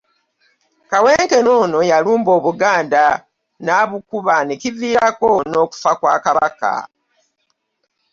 Kawenkene ono yalumba Obuganda n'abukuba ne kiviirako n'okufa kwa Kabaka.